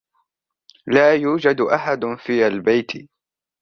لا يوجد أحد في البيت.